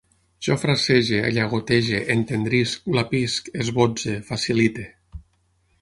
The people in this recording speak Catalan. Jo frasege, llagotege, entendrisc, glapisc, esbotze, facilite